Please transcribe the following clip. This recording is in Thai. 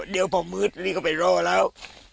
เดี๋ยวพอมืดนี่ก็ไปรอแล้ว